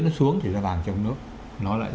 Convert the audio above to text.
nó xuống thì giá vàng trong nước nó lại